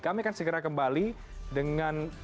kami akan segera kembali dengan